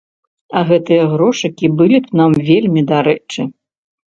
А гэтыя грошыкі былі б нам вельмі дарэчы.